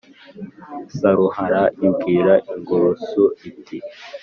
Saruhara ibwira ingurusu iti